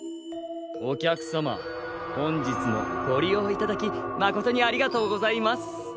お客様本日もご利用いただきまことにありがとうございます。